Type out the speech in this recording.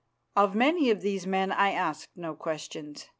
Of many of these men I asked no questions.